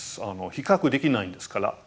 比較できないんですから。